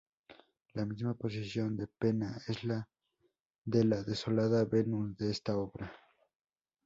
La misma posición de "Pena" es la de la desolada Venus de esta obra.